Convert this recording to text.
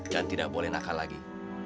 dan tidak boleh nakal lagi